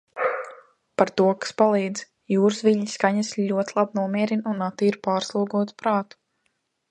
Par to, kas palīdz. Jūras viļņu skaņas ļoti labi nomierina un attīra pārslogotu prātu.